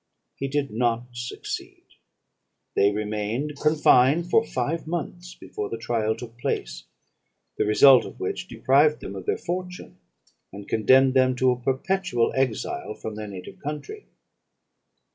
"He did not succeed. They remained confined for five months before the trial took place; the result of which deprived them of their fortune, and condemned them to a perpetual exile from their native country.